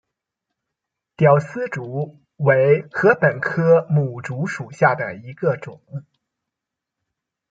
吊丝竹为禾本科牡竹属下的一个种。